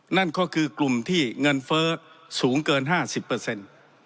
นั่นก็คือกลุ่มที่เงินเฟิร์สสูงเกิน๕๐